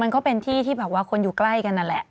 ก็เป็นที่ที่แบบว่าคนอยู่ใกล้กันนั่นแหละ